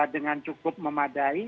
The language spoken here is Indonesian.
dengan cukup memadai